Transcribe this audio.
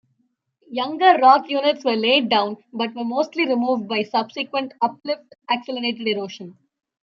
Younger rock units were laid down but were mostly removed by subsequent uplift-accelerated erosion.